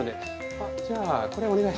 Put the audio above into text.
あっじゃあこれお願い。